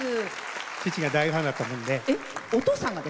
父が大ファンだったもんで。